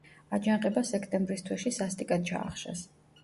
აჯანყება სექტემბრის თვეში სასტიკად ჩაახშეს.